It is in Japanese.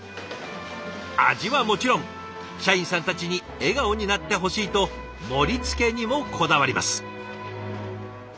味はもちろん社員さんたちに笑顔になってほしいと盛りつけにもこだわります。